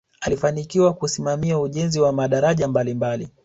alifanikiwa kusimamia ujenzi wa madaraja mbalimbali